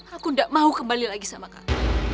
aku tidak mau kembali lagi sama kamu